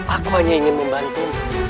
aku hanya ingin membantumu